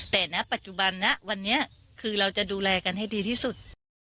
แต่ณปัจจุบันนะวันนี้คือเราจะดูแลกันให้ดีที่สุด